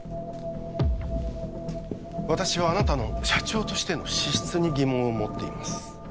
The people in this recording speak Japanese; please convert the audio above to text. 私はあなたの社長としての資質に疑問を持っています